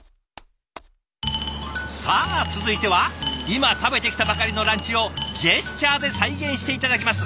さあ続いては今食べてきたばかりのランチをジェスチャーで再現して頂きます。